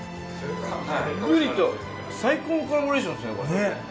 ブリと最高のコラボレーションです。